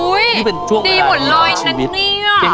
อุ้ยดีหมดเลยนะเนี่ย